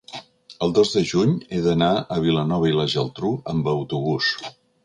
el dos de juny he d'anar a Vilanova i la Geltrú amb autobús.